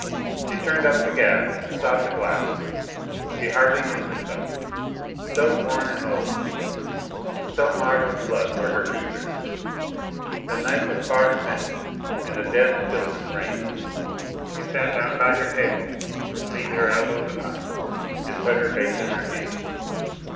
She turned up the gas and sought the glass. She hardly knew herself, so worn and old she looked, and so marred with blood were her features. The night was far spent, and a dead stillness reigned. She sat down by her table, leaned her elbows upon it and put her face in her hands.